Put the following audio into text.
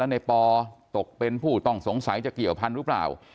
ในปอตกเป็นผู้ต้องสงสัยจะเกี่ยวพันธุ์หรือเปล่า